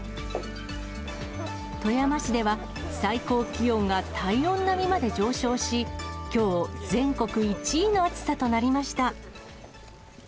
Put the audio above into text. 富山市では、最高気温が体温並みまで上昇し、きょう、全国１位の暑さとなりました。